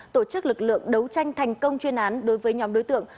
tổ chức lực lượng đấu tranh thành công chuyên án đối với nhóm đối tượng